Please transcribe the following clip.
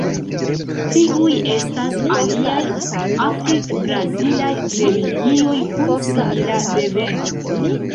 Tiuj estas aliaj afrik-brazilaj religioj kun simila deveno.